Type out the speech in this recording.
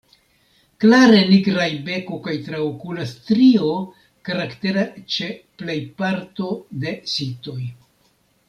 Klare nigraj beko kaj traokula strio, karaktera ĉe plej parto de sitoj.